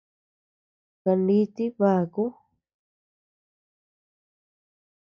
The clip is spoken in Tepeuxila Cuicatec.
Kaniiti baku.